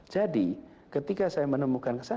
jadi ketika saya menemukan kesalahan